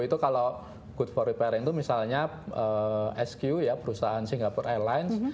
itu kalau good for repair itu misalnya sq ya perusahaan singapura airlines